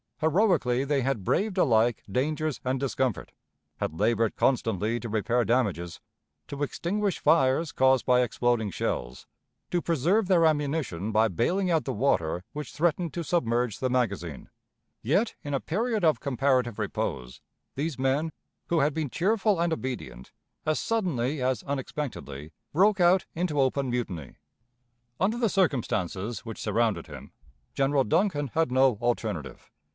Heroically they had braved alike dangers and discomfort; had labored constantly to repair damages; to extinguish fires caused by exploding shells; to preserve their ammunition by bailing out the water which threatened to submerge the magazine: yet, in a period of comparative repose, these men, who had been cheerful and obedient, as suddenly as unexpectedly, broke out into open mutiny. Under the circumstances which surrounded him, General Duncan had no alternative.